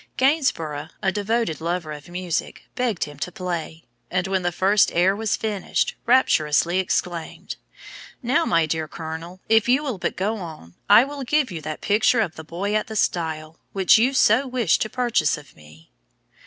Gainsborough, a devoted lover of music, begged him to play, and when the first air was finished, rapturously exclaimed, "Now, my dear Colonel, if you will but go on, I will give you that picture of the Boy at the Stile, which you so wished to purchase of me."